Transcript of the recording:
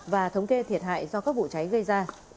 và thống kê thiệt hại do các vụ cháy gây ra